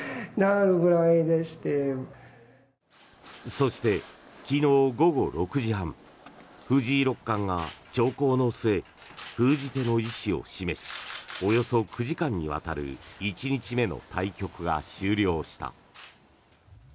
そして、昨日午後６時半藤井六冠が長考の末、封じ手の意思を示しおよそ９時間にわたる１日目の対局が終了した。